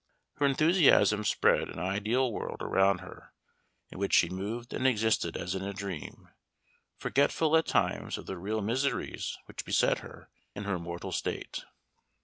Her enthusiasm spread an ideal world around her in which she moved and existed as in a dream, forgetful at times of the real miseries which beset her in her mortal state.